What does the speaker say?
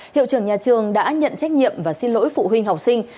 hiệu trưởng nhà trường đã nhận trách nhiệm và xin lỗi phụ huynh học sinh